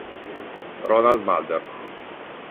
Ronald Mulder